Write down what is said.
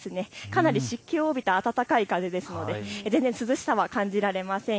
かなり湿気を帯びた暖かい風ですので全然涼しさは感じられません。